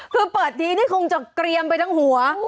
คือเปิดทีนี่คงจะเกรียมไปทั้งหัว